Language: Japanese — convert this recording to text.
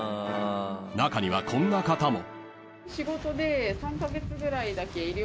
［中にはこんな方も］